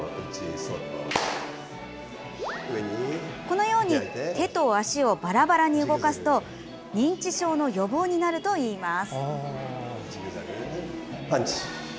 このように手と脚をバラバラに動かすと認知症の予防になるといいます。